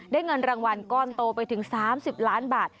เงินรางวัลก้อนโตไปถึง๓๐ล้านบาท